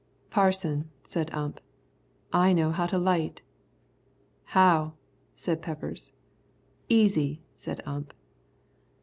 "Parson," said Ump, "I know how to light." "How?" said Peppers. "Easy," said Ump.